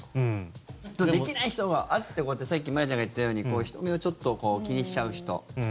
できない人は、さっきまりあちゃんが言ったように人目をちょっと気にしちゃう人。